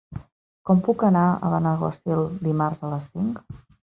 Com puc anar a Benaguasil dimarts a les cinc?